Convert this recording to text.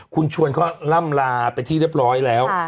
คุณชวนเขาล่ำลาเป็นที่เรียบร้อยแล้ว